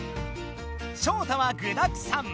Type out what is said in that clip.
ショウタはぐだくさん！